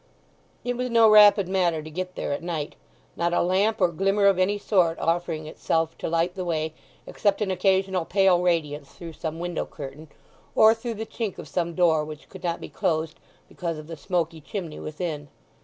It was no rapid matter to get there at night, not a lamp or glimmer of any sort offering itself to light the way, except an occasional pale radiance through some window curtain, or through the chink of some door which could not be closed because of the smoky chimney within.